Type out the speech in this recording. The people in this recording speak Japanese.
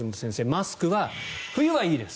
マスクは冬はいいです